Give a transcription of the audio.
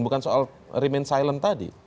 bukan soal remin silent tadi